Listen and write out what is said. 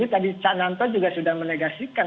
saya rasa ini tadi cak nanto juga sudah mengatakan